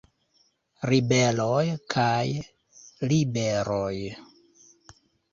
Ribeloj kaj Liberoj.